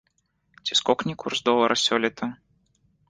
Ці скокне курс долара сёлета?